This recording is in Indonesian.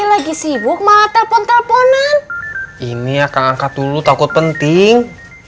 lagi sibuk mau telepon telponan ini akan angkat dulu takut penting